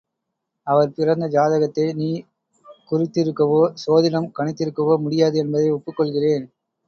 அவர் பிறந்த ஜாதகத்தை நீ குறித்திருக்கவோ, சோதிடம் கணித்திருக்கவோ முடியாது என்பதை ஒப்புக் கொள்கிறேன்.